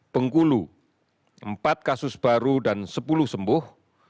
bengkulu empat kasus baru dan sepuluh sembuh